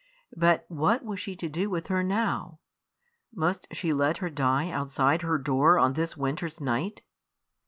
But what was she to do with her now? Must she let her die outside her door on this winter's night?